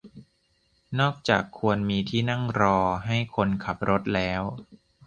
นอกจากควรมีที่นั่งรอให้คนขับรถแล้ว